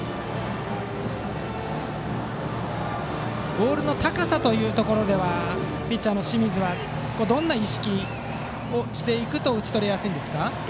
ボールの高さというところではピッチャーの清水はどんな意識をしていくと打ち取りやすいでしょうか。